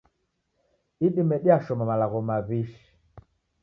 Idime diashoma malagho mawi'shi.